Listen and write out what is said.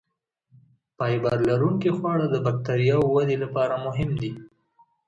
فایبر لرونکي خواړه د بکتریاوو ودې لپاره مهم دي.